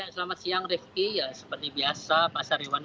selamat siang rifki seperti biasa pasar hewan